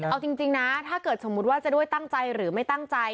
เอาจริงนะถ้าเกิดสมมุติว่าจะด้วยตั้งใจหรือไม่ตั้งใจ